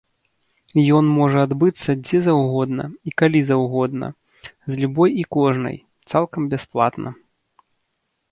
Ён можа адбыцца дзе заўгодна і калі заўгодна, з любой і кожнай, цалкам бясплатна.